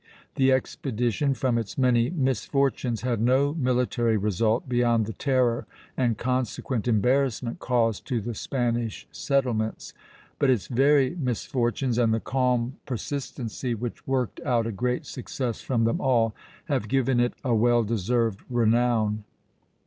The expedition, from its many misfortunes, had no military result beyond the terror and consequent embarrassment caused to the Spanish settlements; but its very misfortunes, and the calm persistency which worked out a great success from them all, have given it a well deserved renown.